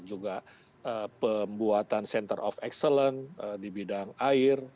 juga pembuatan center of excellence di bidang air